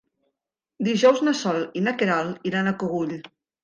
Dijous na Sol i na Queralt iran al Cogul.